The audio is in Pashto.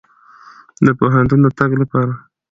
د پوهنتون د تګ لپاره.